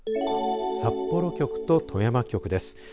札幌局と富山局です。